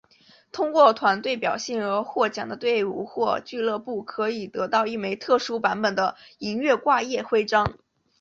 通过团队表现而获奖的队伍或俱乐部可以得到一枚特殊版本的银月桂叶徽章。